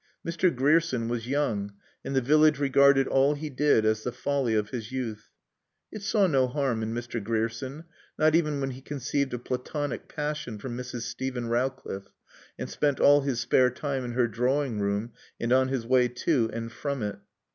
Mr. Grierson was young, and the village regarded all he did as the folly of his youth. It saw no harm in Mr. Grierson; not even when he conceived a Platonic passion for Mrs. Steven Rowcliffe, and spent all his spare time in her drawing room and on his way to and from it.